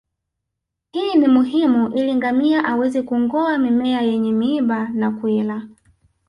Hii ni muhimu ili ngamia aweze kungoa mimea yenye miiba na kuila